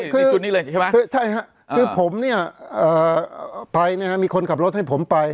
คือผมเนี่ยไปเนี่ยมีคนขับรถให้ผมไป